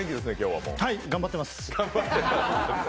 はい、頑張ってます！